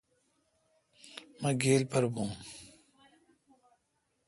مہ گیل پر بھون۔